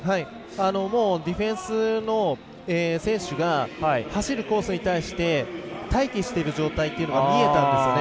もうディフェンスの選手が走るコースに対して待機している状態というのが見えたんですよね。